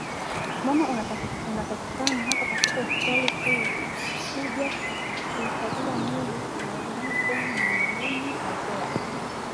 Mama, unatakikana hapa katika hospitali kuu kuja kuukagua mwili unaodhaniwa kuwa ni wa marehemu Mazoa